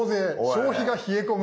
消費が冷え込む！」。